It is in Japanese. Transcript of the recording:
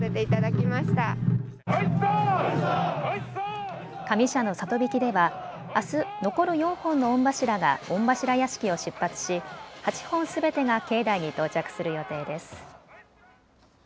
曳きではあす残る４本の御柱が御柱屋敷を出発し、８本すべてが境内に到着する予定です。